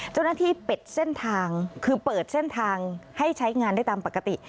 เจ้าหน้าที่ปิดเส้นทางคือเปิดเส้นทางให้ใช้งานได้ตามปกติ